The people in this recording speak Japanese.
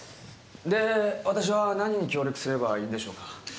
で私は何に協力すればいいんでしょうか？